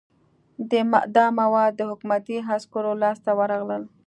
دا مواد د حکومتي عسکرو لاس ته ورغلل.